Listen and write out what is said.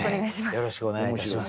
よろしくお願いします。